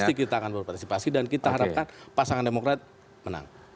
pasti kita akan berpartisipasi dan kita harapkan pasangan demokrat menang